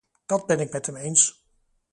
Dat ben ik met hem eens.